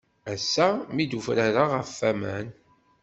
Ass-a mi d-ufrareɣ ɣef waman.